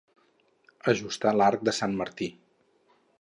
Ajustar l'arc de Sant Martí.